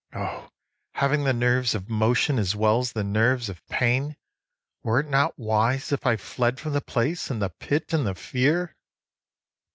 O, having the nerves of motion as well as the nerves of pain, Were it not wise if I fled from the place and the pit and the fear?